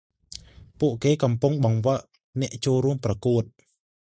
ពួកគេ កំពុងបង្វឹកអ្នកចូលរួមប្រគួត ។